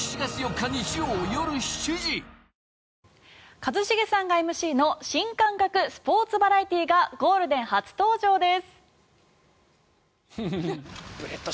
一茂さんがＭＣの新感覚スポーツバラエティーがゴールデン初登場です。